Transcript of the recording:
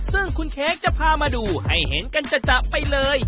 ซึ่งคุณเค้กจะพามาดูให้เห็นกันจัดไปเลย